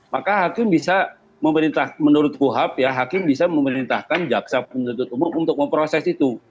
maka hakim bisa memerintah menurut kuhap ya hakim bisa memerintahkan jaksa penuntut umum untuk memproses itu